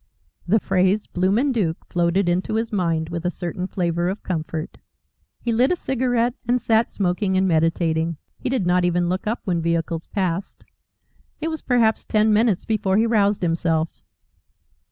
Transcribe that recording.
The phrase 'bloomin' Dook' floated into his mind with a certain flavour of comfort. He lit a cigarette, and sat smoking and meditating. He did not even look up when vehicles passed. It was perhaps ten minutes before he roused himself.